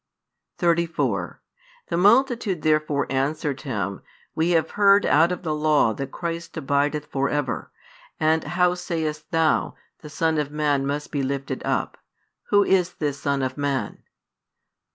34 The multitude therefore answered Him, We have heard out of the Law that Christ abideth for ever: and how sayest Thou, The Son of Man must be lifted up? Who is this Son of Man?